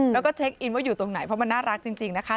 แล้วก็เช็คอินว่าอยู่ตรงไหนเพราะมันน่ารักจริงนะคะ